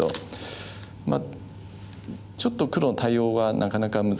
まあちょっと黒の対応がなかなか難しかった。